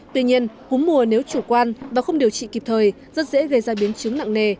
tuy nhiên cúm mùa nếu chủ quan và không điều trị kịp thời rất dễ gây ra biến chứng nặng nề